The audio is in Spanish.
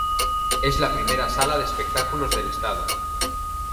Es la primera sala de espectáculos del estado.